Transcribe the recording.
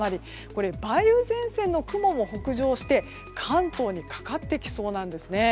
梅雨前線の雲も北上して関東にかかってきそうなんですね。